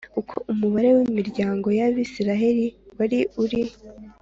uko umubare w’imiryango y Abisirayeli wari uri